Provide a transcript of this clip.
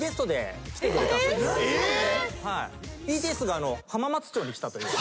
ＢＴＳが浜松町に来たという。